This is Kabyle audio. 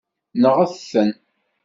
Nɣet-ten.